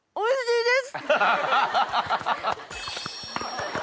おいしいです。